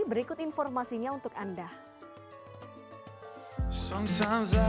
berikut informasinya untuk anda